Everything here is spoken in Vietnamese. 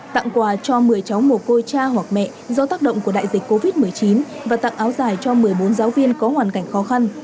tặng quà cho một mươi cháu mồ côi cha hoặc mẹ do tác động của đại dịch covid một mươi chín và tặng áo dài cho một mươi bốn giáo viên có hoàn cảnh khó khăn